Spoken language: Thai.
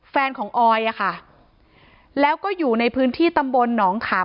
แฟนของออยอ่ะค่ะแล้วก็อยู่ในพื้นที่ตำบลหนองขาม